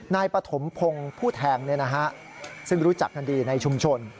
นายปฐมพงศ์ผู้แทงเนี่ยนะฮะซึ่งรู้จักกันดีในชุมชน